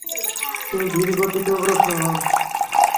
তিনি ধীরগতিতে অগ্রসর হন।